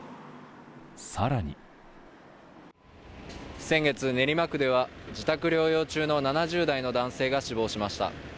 更に先月練馬区では自宅療養中の７０代の男性が死亡しました。